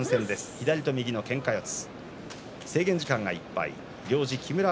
左と右のけんか四つ。